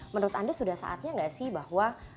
menurut anda sudah saatnya nggak sih bahwa